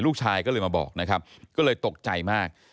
ลูกชายก็เลยมาบอกก็เลยตกใจมาก